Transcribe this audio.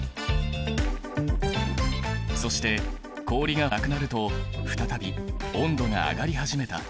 そして氷がなくなると再び温度が上がり始めた。